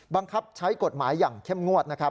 บั้งคับใช้กฎหมายอย่างเข้มงวด